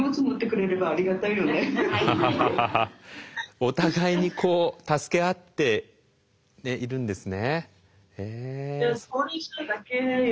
お互いにこう助け合っているんですね。